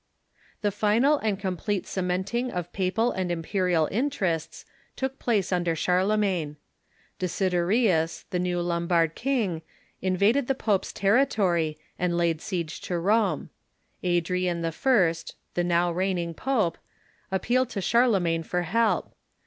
The final and complete cementing of papal and imperial in terests took place under Charlemagne. Desiderius, the new Lombard king, invaded the pope's territory and laid Emoeror' ^^^S^ ^^ Rome. Adrian I., the now reigning pope, appealed to Charlemagne for help.